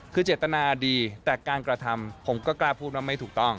คือเจตนาดีแต่การกระทำผมก็กล้าพูดว่าไม่ถูกต้อง